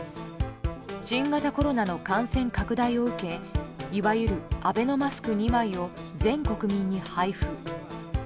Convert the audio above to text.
新型コロナの感染拡大を受けいわゆるアベノマスク２枚を全国民に配布。